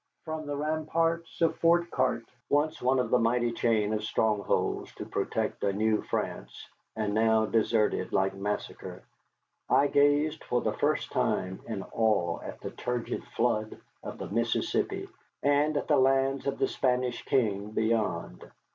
From the ramparts of Fort Chartres (once one of the mighty chain of strongholds to protect a new France, and now deserted like Massacre), I gazed for the first time in awe at the turgid flood of the Mississippi, and at the lands of the Spanish king beyond.